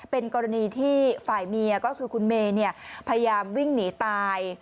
เป็นกรณีที่ฝ่ายเมียก็คือคุณเมย์พยายามวิ่งหนีตาย